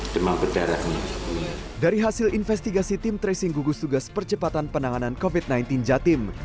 demam berdarah dari hasil investigasi tim tracing gugus tugas percepatan penanganan covid sembilan belas jatim